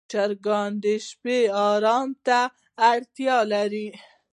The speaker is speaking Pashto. چرګان د شپې آرام ته اړتیا لري.